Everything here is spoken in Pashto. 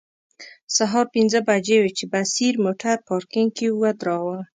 سهار پنځه بجې وې چې بصیر موټر پارکینګ کې و دراوه.